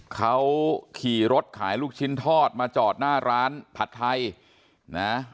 เขาขี่รถขายลูกชิ้นทอดมาจอดหน้าร้านผัดไทยนะ